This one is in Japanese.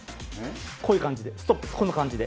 こういう感じで、ストップ、この感じで。